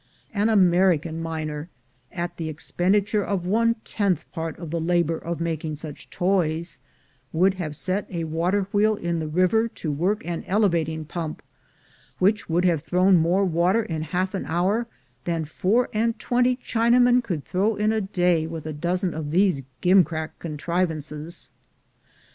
An American miner, at the expenditure of one tenth part of the labor of making such toys, would have set a water wheel in the river to work an elevating pump, which would have thrown more water in half an hour than four and twenty China men could throw in a day with a dozen of these gim crack contrivances.